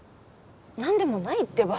なんでもないってば！